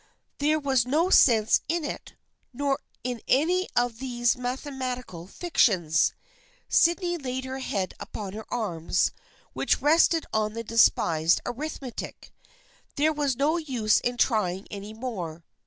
There was no sense in it, nor in any of these mathemat ical fictions. Sydney laid her head upon her arms, which rested on the despised arithmetic. There was no use in trying any more.